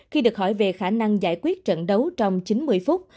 khi được hỏi về khả năng giải quyết trận đấu trong chín mươi phút